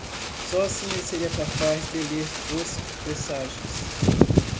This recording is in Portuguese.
Só assim ele seria capaz de ler os presságios.